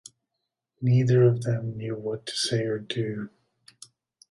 Neither of them knew what to say or do.